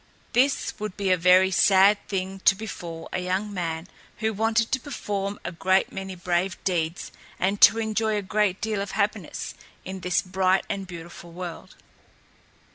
This would be a very sad thing to befall a young man who wanted to perform a great many brave deeds and to enjoy a great deal of happiness in this bright and beautiful world.